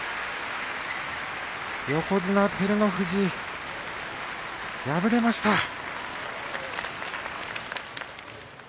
横綱照ノ富士敗れました。